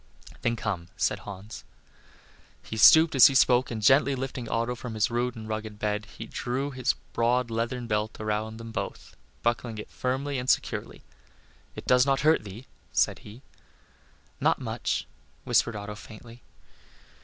"Then come," said Hans. He stooped as he spoke, and gently lifting Otto from his rude and rugged bed he drew his broad leathern belt around them both, buckling it firmly and securely. "It does not hurt thee?" said he. "Not much," whispered Otto faintly.